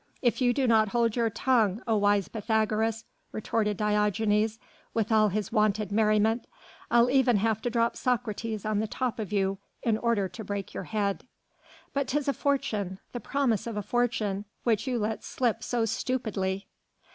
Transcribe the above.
"If you do not hold your tongue, O wise Pythagoras," retorted Diogenes with all his wonted merriment, "I'll even have to drop Socrates on the top of you in order to break your head." "But 'tis a fortune the promise of a fortune which you let slip so stupidly."